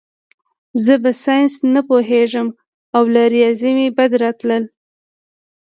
زه په ساینس نه پوهېږم او له ریاضي مې بد راتلل